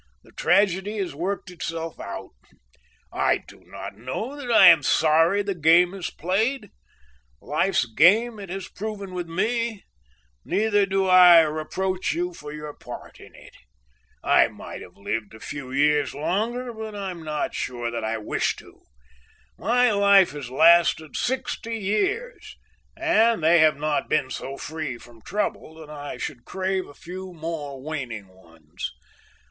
The tragedy has worked itself out. I do not know that I am sorry the game is played, life's game it has proven with me; neither do I reproach you for your part in it. I might have lived a few years longer, but I am not sure that I wish to. My life has lasted sixty years, and they have not been so free from trouble that I should crave a few more waning ones.